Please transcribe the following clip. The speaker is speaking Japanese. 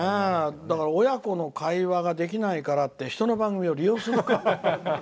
親子の会話ができないからって人の番組を利用するのか。